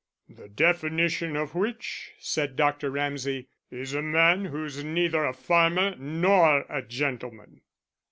"The definition of which," said Dr. Ramsay, "is a man who's neither a farmer nor a gentleman."